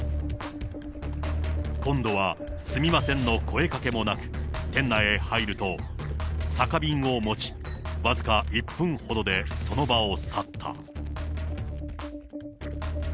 今度はすみませんの声かけもなく、店内へ入ると、酒瓶を持ち、僅か１分ほどでその場を去った。